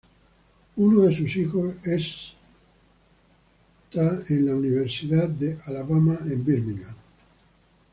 Uno de sus hijos es en la Universidad de Alabama en Birmingham.